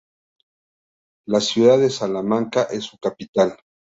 La ciudad de Salamanca es su capital.